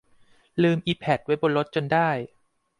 ลืมอิแผดไว้บนรถจนได้